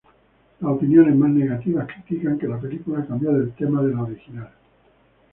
Las opiniones más negativas critican, que la película cambió del tema de la original.